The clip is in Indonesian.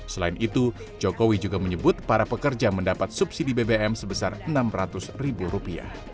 selain itu jokowi juga menyebut para pekerja mendapat subsidi bbm sebesar rp enam ratus